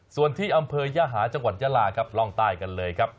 ส่วนที่อำเภอย่าหาจังหวัดยาลาครับร่องใต้กันเลยครับ